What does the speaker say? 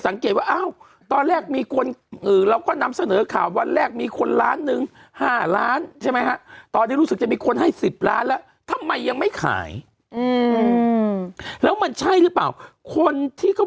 แม่มันขาย๑๐ล้านแล้วทำไมยังไม่ขายแล้วมันใช่หรือเปล่าคนที่เขา